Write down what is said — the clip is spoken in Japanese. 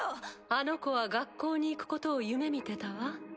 あの子は学校に行くことを夢見てたわ。